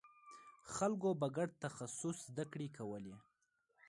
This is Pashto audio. خلکو به ګډ تخصص زدکړې کولې.